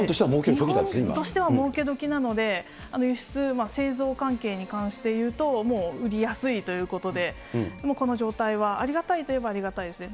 日本としてはもうけどきなので、輸出、製造関係に関していうと、もう売りやすいということで、この状態は、ありがたいといえばありがたいですね。